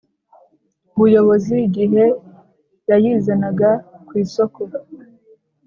Buyobozi igihe yayizanaga ku isoko